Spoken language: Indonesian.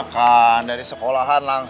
kakak kakak ke repaired ni